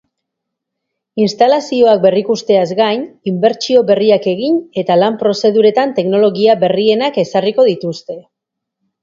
Instalazioak berrikusteaz gain, inbertsio berriak egin eta lan-prozeduretan teknologia berrienak ezarriko dituzte.